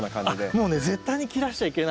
もうね絶対に切らしちゃいけないので。